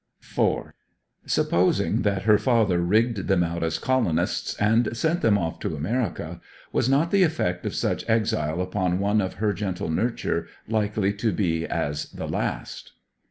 4. Supposing that her father rigged them out as colonists and sent them off to America, was not the effect of such exile upon one of her gentle nurture likely to be as the last?